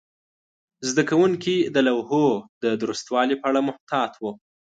زده کوونکي د لوحو د درستوالي په اړه محتاط وو.